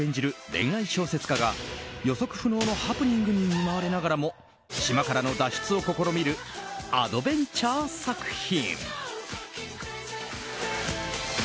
恋愛小説家が予測不能なハプニングに見舞われながらも島からの脱出を試みるアドベンチャー作品。